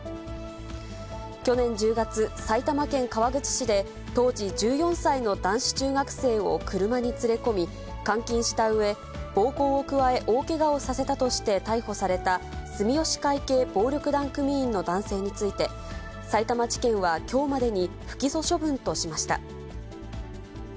去年１０月、埼玉県川口市で、当時１４歳の男子中学生を車に連れ込み、監禁したうえ、暴行を加え大けがをさせたとして逮捕された住吉会系暴力団組員の男性について、さいたま地検はきょうまでに不起訴処分としました。